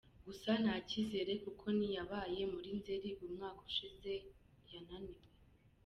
Gusa nta cyizere kuko n’iyabaye muri Nzeri umwaka ushize yananiwe.